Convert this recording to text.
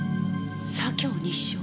左京西署。